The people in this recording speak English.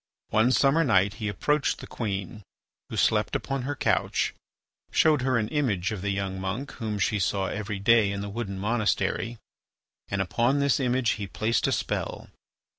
One summer night he approached the queen, who slept upon her couch, showed her an image of the young monk whom she saw every day in the wooden monastery, and upon this image he placed a spell.